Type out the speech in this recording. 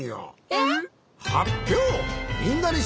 えっ！